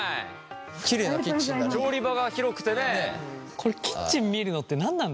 これキッチン見るのって何なんだろうね？